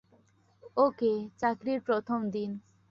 ওকে, চাকরির প্রথম দিন।